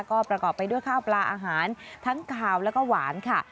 ก็ประกอบไปด้วยข้าวปลาอาหารทั้งขาวแล้วก็หวานค่ะ